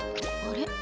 あれ？